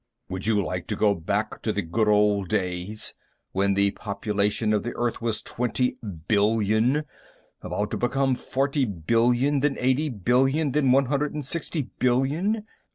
"Would you like to go back to the good old days, when the population of the Earth was twenty billion about to become forty billion, then eighty billion, then one hundred and sixty billion?